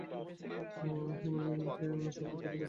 হেমনলিনীকে সকল কথা বলিয়াছ?